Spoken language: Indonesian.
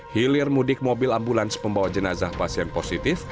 hilir mudik mobil ambulans pembawa jenazah pasien positif